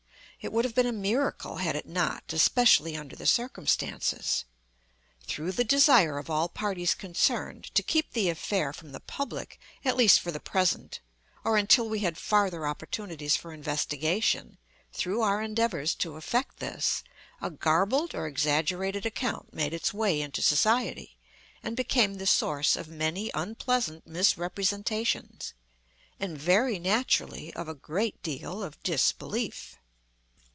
It would have been a miracle had it not—especially under the circumstances. Through the desire of all parties concerned, to keep the affair from the public, at least for the present, or until we had farther opportunities for investigation—through our endeavors to effect this—a garbled or exaggerated account made its way into society, and became the source of many unpleasant misrepresentations; and, very naturally, of a great deal of disbelief.